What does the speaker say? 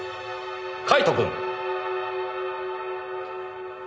カイトくん。